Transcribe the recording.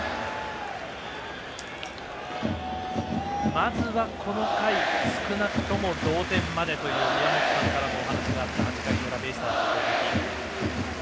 まずは、この回少なくとも同点までという宮本さんからのお話があった８回の裏、ベイスターズの攻撃。